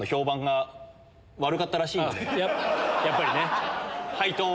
やっぱりね。